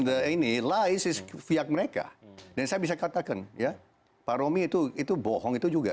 the ini lice is viag mereka dan saya bisa katakan ya pak romi itu itu bohong itu juga